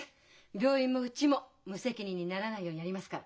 病院もうちも無責任にならないようにやりますから。